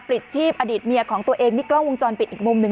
ลิดชีพอดีตเมียของตัวเองนี่กล้องวงจรปิดอีกมุมหนึ่ง